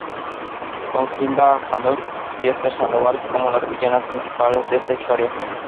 Con Gilda Haddock y Esther Sandoval como las villanas principales de esta historia.